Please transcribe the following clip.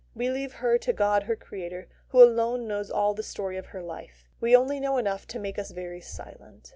We leave her to God her Creator, who alone knows all the story of her life: we only know enough to make us very silent.